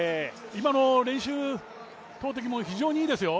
今の練習投てきも非常にいいですよ。